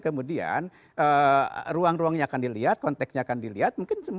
kemudian ruang ruangnya akan dilihat konteksnya akan dilihat